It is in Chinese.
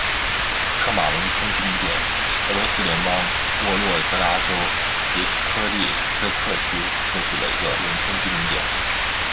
克马农村居民点是俄罗斯联邦沃洛格达州尼科利斯克区所属的一个农村居民点。